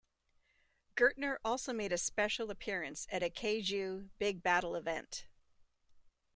Gertner also made a special appearance at a Kaiju Big Battel event.